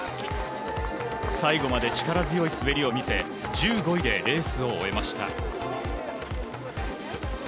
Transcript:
最後まで力強い滑りを見せ１５位でレースを終えました。